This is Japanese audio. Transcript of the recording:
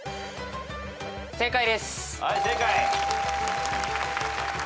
正解です。